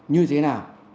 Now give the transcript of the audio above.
như thế nào